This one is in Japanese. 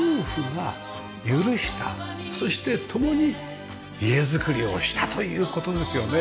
そして共に家造りをしたという事ですよね。